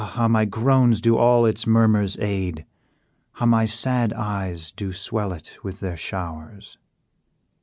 how my groans do all its murmurs aid! How my sad eyes do swell it with their showers!